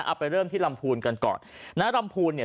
เอาไปเริ่มที่ลำพูนกันก่อนนะลำพูนเนี่ย